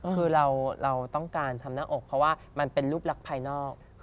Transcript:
คือเราต้องการทำหน้าอกเพราะว่ามันเป็นรูปลักษณ์ภายนอก